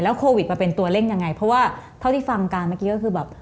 โควิดมาเป็นตัวเร่งยังไงเพราะว่าเท่าที่ฟังการเมื่อกี้ก็คือแบบ